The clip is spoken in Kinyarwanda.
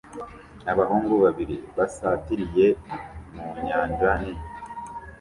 Abahungu babiri basatiriye mu nyanja nini